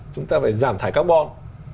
chúng ta phải giảm thải carbon